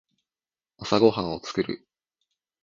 朝ごはんを作る。